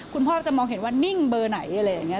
คุณพ่อจะมองเห็นว่านิ่งเบอร์ไหนอะไรอย่างนี้